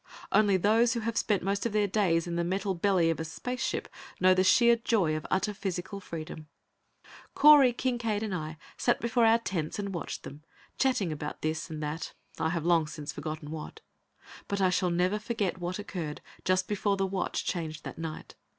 Only those who have spent most of their days in the metal belly of a space ship know the sheer joy of utter physical freedom. Correy, Kincaide and I sat before our tents and watched them, chatting about this and that I have long since forgotten what. But I shall never forget what occurred just before the watch changed that night.